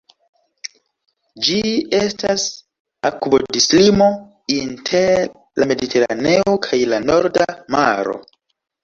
Ĝi estas akvodislimo inter la Mediteraneo kaj la Norda Maro.